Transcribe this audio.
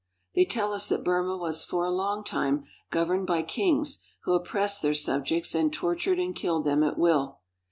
They tell us that Burma was for a long time governed by kings who oppressed their subjects and tor tured and killed them at will.